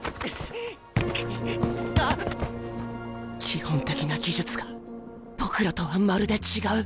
基本的な技術が僕らとはまるで違う。